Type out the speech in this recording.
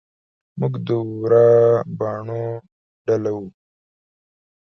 موږ د ورا باڼو ډله وو.